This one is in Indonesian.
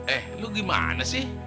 eh lu gimana sih